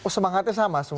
semangatnya sama semua